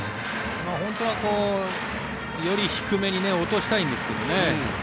本当はより低めに落としたいんですけどね。